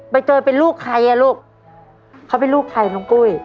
ใบเตยเป็นลูกใครอ่ะลูกเขาเป็นลูกใครน้องกุ้ย